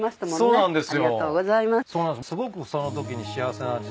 そうなんです。